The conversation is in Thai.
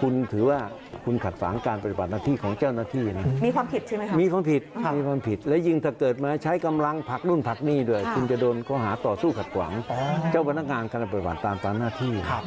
คุณถือว่าคุณขัดฝั่งการปฎิบาท